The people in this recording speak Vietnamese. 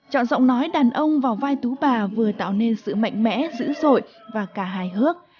chọn giọng nói đàn ông vào vai tú bà vừa tạo nên sự mạnh mẽ dữ dội và cả hài hước